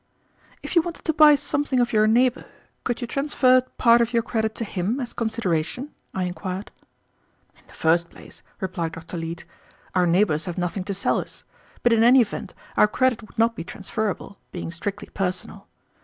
"If you wanted to buy something of your neighbor, could you transfer part of your credit to him as consideration?" I inquired. "In the first place," replied Dr. Leete, "our neighbors have nothing to sell us, but in any event our credit would not be transferable, being strictly personal.